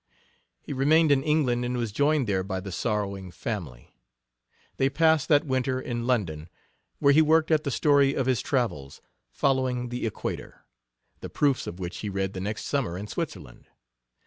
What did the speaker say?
He remained in England, and was joined there by the sorrowing family. They passed that winter in London, where he worked at the story of his travels, Following the Equator, the proofs of which he read the next summer in Switzerland.